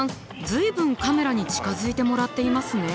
随分カメラに近づいてもらっていますね。